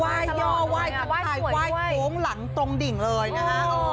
ว่ายยอดว่ายสันไทยว่ายโทรงหลังตรงดิ่งเลยนะฮะ